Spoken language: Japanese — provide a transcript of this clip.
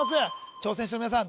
挑戦者の皆さん